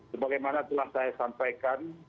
sebagaimana telah saya sampaikan